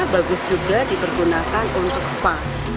bagus juga dipergunakan untuk spa